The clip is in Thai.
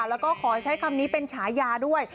แล้วก็ขอใช้คำนี้เป็นฉายาด้วย